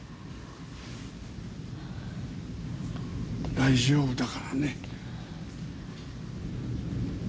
大丈夫だからね。